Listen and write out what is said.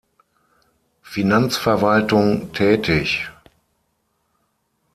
Finanzverwaltung tätig.